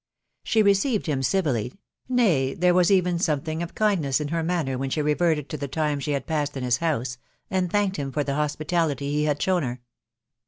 She received hhn civilly, nay, there was even something of kindness in her manner when she reverted to the time she had passed in his house, and. thanked him for the hospitality he had shown her.